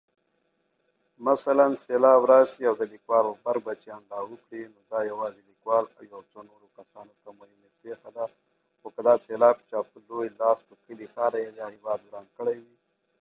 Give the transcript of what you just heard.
Maghi ghose ghedew'oa dikaghidagha.